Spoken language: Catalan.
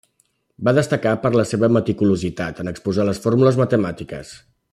Va destacar per la seva meticulositat en exposar les fórmules matemàtiques.